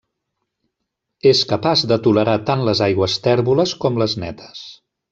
És capaç de tolerar tant les aigües tèrboles com les netes.